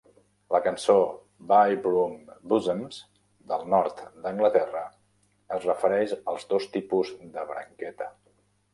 La cançó "Buy Broom Buzzems" del nord d'Anglaterra es refereix als dos tipus de branqueta.